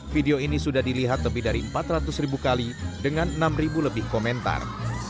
video ini sudah dilihat lebih dari empat ratus ribu kali dengan enam ribu lebih komentar